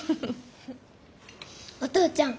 お父ちゃん。